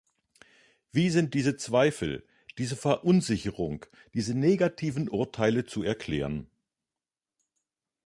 Wie sind diese Zweifel, diese Verunsicherung, diese negativen Urteile zu erklären?